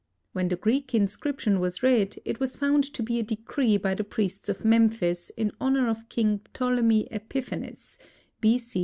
When the Greek inscription was read, it was found to be a decree by the priests of Memphis in honor of King Ptolemy Epiphanes; B. C.